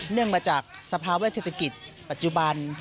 เนื่องมาจากสภาวะเศรษฐกิจปัจจุบัน